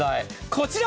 こちら！